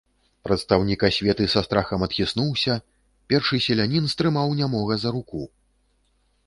Прадстаўнік асветы са страхам адхіснуўся, першы селянін стрымаў нямога за руку.